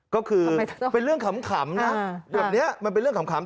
ก็คือเป็นเรื่องขำนะแบบนี้มันเป็นเรื่องขำ